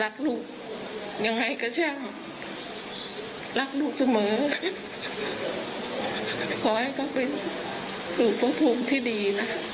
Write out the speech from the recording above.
ขอให้เขาเป็นลูกพระภูมิที่ดีนะ